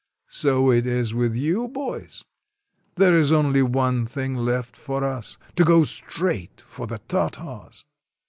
So it is with you, boys. There 's 169 RUSSIA only one thing left for us, — to go straight for the Tar tars."